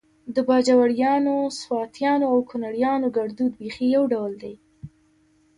د باجوړیانو، سواتیانو او کونړیانو ګړدود بیخي يو ډول دی